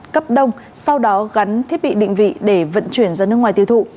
cấp đông sau đó gắn thiết bị định vị để vận chuyển ra nước ngoài tiêu thụ